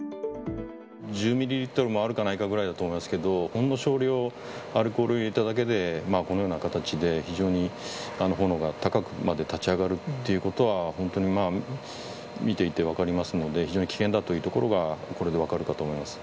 １０ミリリットルもあるかないかぐらいだと思いますけど、ほんの少量、アルコールを入れただけで、このような形で非常に炎が高くまで立ち上がるってことは、本当に見ていて分かりますので、非常に危険だというところが、これで分かるかと思います。